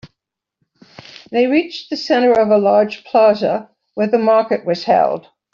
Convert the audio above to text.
They reached the center of a large plaza where the market was held.